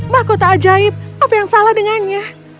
mahkota ajaib apa yang salah dengannya